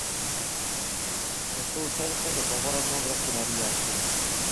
Estou certa de que agora non reaccionaría así.